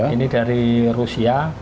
ini dari rusia